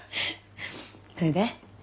それで？